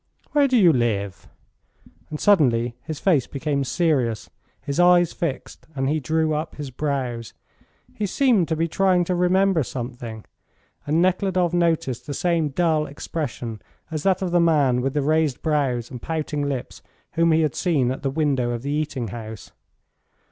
Where do you live?" And suddenly his face became serious, his eyes fixed, and he drew up his brows. He seemed to be trying to remember something, and Nekhludoff noticed the same dull expression as that of the man with the raised brows and pouting lips whom he had seen at the window of the eating house.